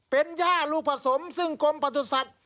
เป็นย่ารูผสมซึ่งกลมปัจจุสัตว์